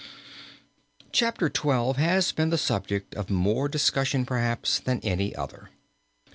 Chapter XII. has been the subject of more discussion perhaps than any other.